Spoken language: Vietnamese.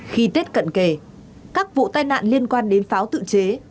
khi tết cận kề các vụ tai nạn liên quan đến pháo tự chế